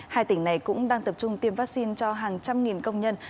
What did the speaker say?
hai tỉnh này cũng đang tập trung tiêm vaccine cho hàng trăm nghìn công nhân